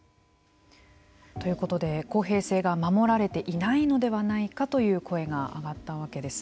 ということで公平性が守られていないのではないかという声が上がったわけです。